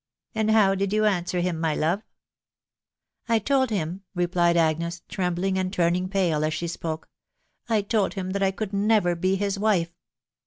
..•" And how did you answer him, my love ?"" I told him," replied Agnes, trembling and turning pale as she spoke, " I told him that I could never be his wife